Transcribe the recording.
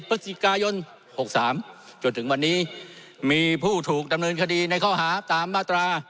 พฤศจิกายน๖๓จนถึงวันนี้มีผู้ถูกดำเนินคดีในข้อหาตามมาตรา